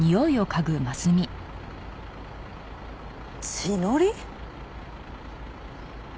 血のり？